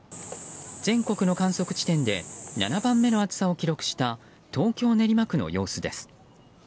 全国の観測地点で７番目の暑さを記録した東京・練馬区の様子です。